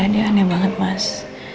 iya dia aneh banget mas